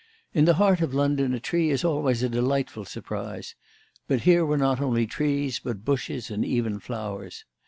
In the heart of London a tree is always a delightful surprise; but here were not only trees, but bushes and even flowers.